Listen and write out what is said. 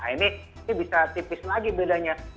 nah ini bisa tipis lagi bedanya